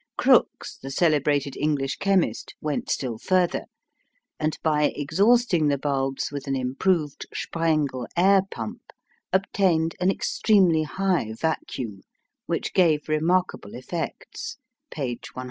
Crookes, the celebrated English chemist, went still further, and by exhausting the bulbs with an improved Sprengel air pump, obtained an extremely high vacuum, which gave remarkable effects (page 120).